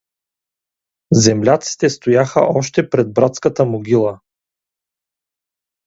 Земляците стояха още пред братската могила.